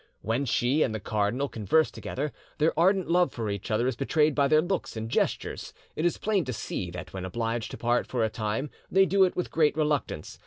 When she and the cardinal converse together, their ardent love for each other is betrayed by their looks and gestures; it is plain to see that when obliged to part for a time they do it with great reluctance.